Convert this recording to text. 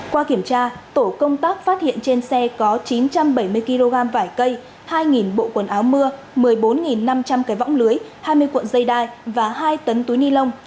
qua kiểm tra tổ công tác phát hiện trên xe có chín trăm bảy mươi kg vải cây hai bộ quần áo mưa một mươi bốn năm trăm linh cái võng lưới hai mươi cuộn dây đai và hai tấn túi ni lông